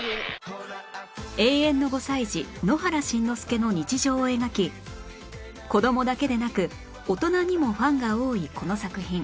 永遠の５歳児野原しんのすけの日常を描き子どもだけでなく大人にもファンが多いこの作品